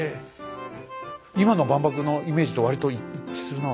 今の万博のイメージと割と一致するな何か。